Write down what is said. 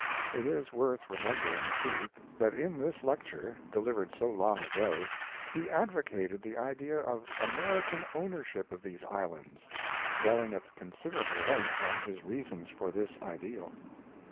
It is worth remembering, too, that in this lecture, delivered so long ago, he advocated the idea of American ownership of these islands, dwelling at considerable length on his reasons for this ideal.